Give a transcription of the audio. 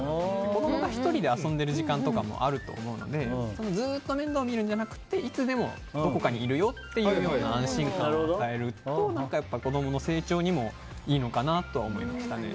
子供が１人で遊んでいる時間とかもあると思うのでずっと面倒を見るんじゃなくていつでもどこかにいるよという安心感を与えると子供の成長にもいいのかなと思いましたね。